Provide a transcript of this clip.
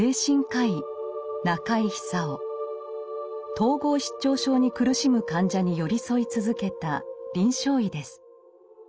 統合失調症に苦しむ患者に寄り添い続けた臨床医です。